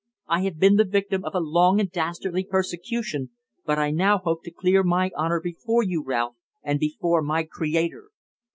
I have been the victim of a long and dastardly persecution, but I now hope to clear my honour before you, Ralph, and before my Creator."